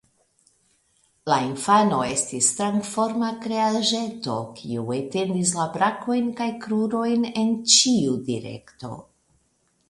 La infano estis strangforma kreaĵeto, kiu etendis la brakojn kaj krurojn en ĉiu direkto.